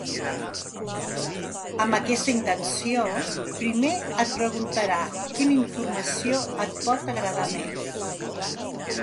Amb aquesta intenció, primer et preguntarà quina informació et pot agradar més.